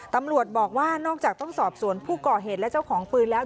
ตำรวจบอกว่านอกจากต้องสอบสวนผู้ก่อเหตุและเจ้าของปืนแล้ว